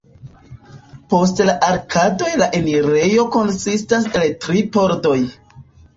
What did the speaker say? Post la arkadoj la enirejo konsistas el tri pordoj.